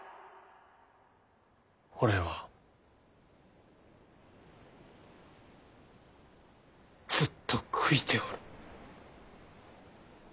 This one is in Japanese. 俺はずっと悔いておる。